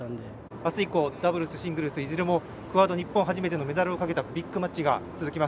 あす以降ダブルス、シングルスいずれもクオーター日本発のメダルをかけたビッグマッチが続きます。